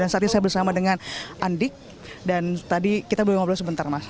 dan saatnya saya bersama dengan andik dan tadi kita boleh ngobrol sebentar mas